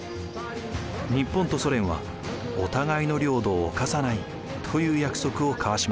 日本とソ連はお互いの領土を侵さないという約束を交わしました。